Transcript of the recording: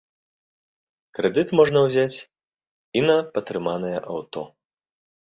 Крэдыт можна ўзяць і на патрыманае аўто.